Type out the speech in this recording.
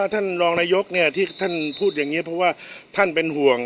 ท่านรองนายกที่ท่านพูดอย่างนี้เพราะว่าท่านเป็นห่วง